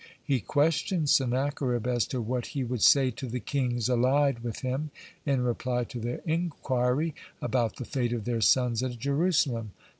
He questioned Sennacherib as to what he would say to the kings allied with him, in reply to their inquiry about the fate of their sons at Jerusalem.